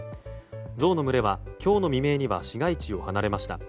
ゾウの群れは今日の未明には市街地を離れました。